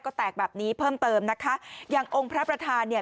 ก็แตกแบบนี้เพิ่มเติมนะคะอย่างองค์พระประธานเนี่ย